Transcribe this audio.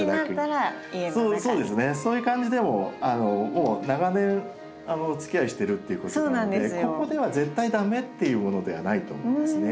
もう長年おつきあいしてるっていうことなのでここでは絶対駄目っていうものではないと思うんですね。